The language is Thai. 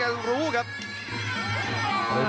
โอ้ววาลาดิเมีย